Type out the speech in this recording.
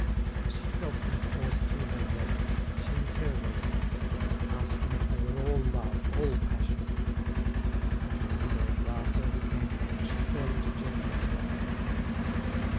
As she felt them course through her veins, she interrogated them, asking if they were all love, all passion. But languor at last overcame her, and she fell into gentle slumber.